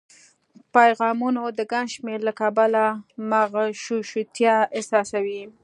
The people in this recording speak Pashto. پیغامونو د ګڼ شمېر له کبله مغشوشتیا احساسوي